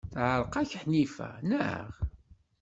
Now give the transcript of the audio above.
Teɛreq-ak Ḥnifa, naɣ?